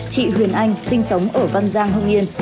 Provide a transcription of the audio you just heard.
chị huyền anh sinh sống ở văn giang hưng yên